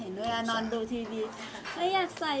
เห็นด้วยนอนดูทีวีไม่อยากใส่